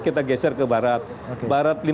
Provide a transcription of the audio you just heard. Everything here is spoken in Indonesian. kita geser ke barat barat